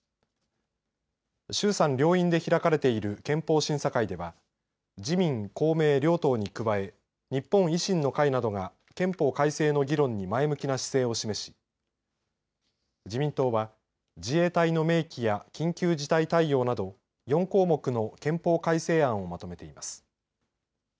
衆参両院で開かれている憲法審査会では自民・公明両党に加え日本維新の会などが憲法改正の議論に前向きな姿勢を示し自民党は自衛隊の明記や緊急事態対応など４項目の憲法改正案をまとめています。